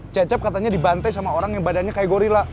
cecep katanya dibantai sama orang yang badannya kayak gorilla